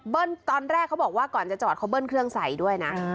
ตอนแรกเขาบอกว่าก่อนจะจอดเขาเบิ้ลเครื่องใส่ด้วยนะ